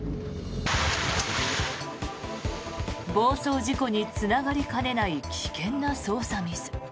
暴走事故につながりかねない危険な操作ミス。